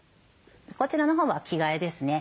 こちらのほうは着替えですね。